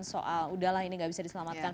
soal udahlah ini nggak bisa diselamatkan